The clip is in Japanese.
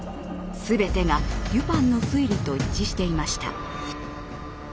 全てがデュパンの推理と一致していました。